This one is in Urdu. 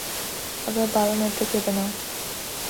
اگر بایو میٹرک کے بنا